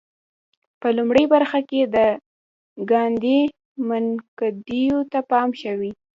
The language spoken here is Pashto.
په لومړۍ برخه کې د ګاندي منتقدینو ته پام شوی.